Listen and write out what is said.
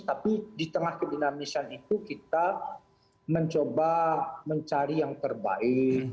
tapi di tengah kedinamisan itu kita mencoba mencari yang terbaik